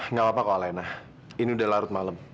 nggak apa apa kok alena ini udah larut malem